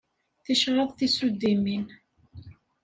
Ticraḍ tisuddimin.